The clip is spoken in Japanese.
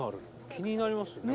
気になりますよね